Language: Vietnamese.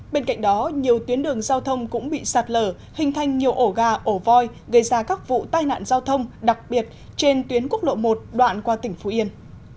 bên cạnh đó nhiều tuyến đường giao thông cũng bị sạt lở hình thành nhiều ổ gà ổ voi gây ra các vụ tai nạn giao thông đặc biệt trên tuyến quốc lộ một đoạn qua tỉnh phú yên